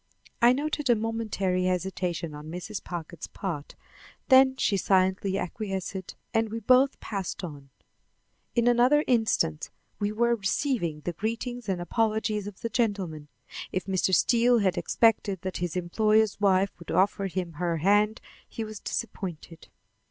I noted a momentary hesitation on Mrs. Packard's part, then she silently acquiesced and we both passed on. In another instant we were receiving the greetings and apologies of the gentlemen. If Mr. Steele had expected that his employer's wife would offer him her hand, he was disappointed.